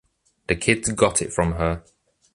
The kids got it from her.